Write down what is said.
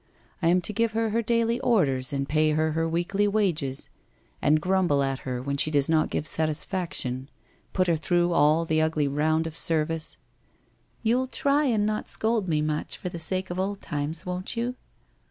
I am to give her her daily orders and pay her her weekly wages and grumble at her when she does not give satisfaction, put her through all the ugly round of service '* You'll try and not scold me, much, for the sake of old times, won't you